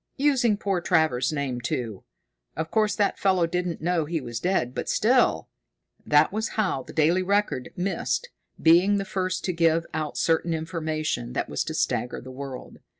Using poor Travers's name, too! Of course that fellow didn't know he was dead, but still...." That was how The Daily Record missed being the first to give out certain information that was to stagger the world.